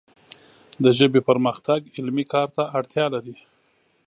د ژبې پرمختګ علمي کار ته اړتیا لري